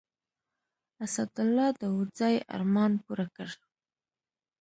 اسدالله داودزي ارمان پوره کړ.